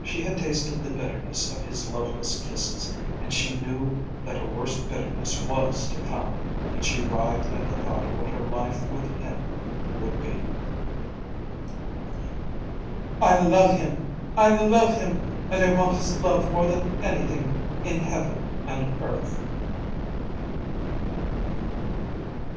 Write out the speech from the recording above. She had tasted the bitterness of his loveless kisses and she knew that a worse bitterness was to come, and she writhed at the thought of what her life with him would be. "I love him! I love him! And I want his love more than anything in Heaven and earth."